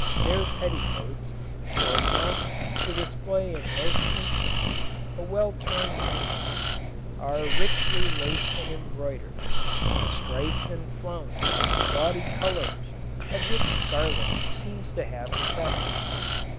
Their petticoats, short enough, to display in most instances a well turned ankle, are richly laced and embroidered, and striped and flounced with gaudy colours, of which scarlet seems to have the preference.